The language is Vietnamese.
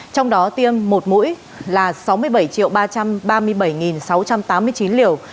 trong đó tiêm một mũi là sáu mươi bảy ba trăm ba mươi bảy sáu trăm tám mươi chín liều